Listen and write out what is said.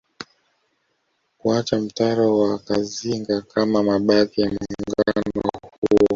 Kuacha mtaro wa Kazinga kama mabaki ya muungano huo